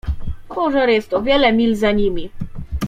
"Pożar jest o wiele mil za nimi."